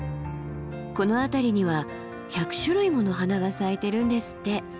この辺りには１００種類もの花が咲いてるんですって。